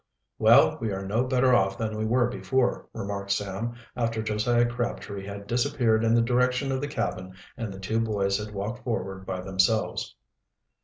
"Well, we are no better off than we were before," remarked Sam, after Josiah Crabtree had disappeared in the direction of the cabin and the two boys had walked forward by themselves.